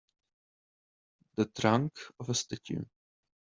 The trunk of a statue.